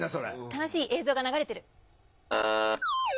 楽しい映像が流れてる。